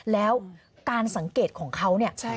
แล้วการสังเกตของเขาเนี่ย